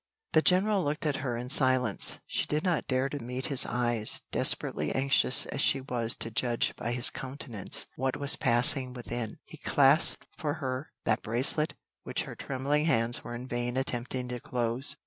The general looked at her in silence: she did not dare to meet his eyes, desperately anxious as she was to judge by his countenance what was passing within. He clasped for her that bracelet which her trembling hands were in vain attempting to close.